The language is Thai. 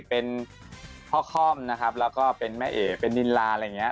เป็นพ่อค่อมนะครับแล้วก็เป็นแม่เอ๋เป็นนิลาอะไรอย่างนี้